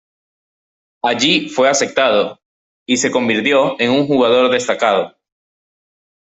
Allí fue aceptado, y se convirtió en un jugador destacado.